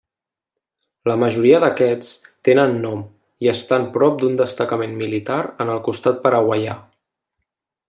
La majoria d'aquests tenen nom, i estan prop d'un destacament militar en el costat paraguaià.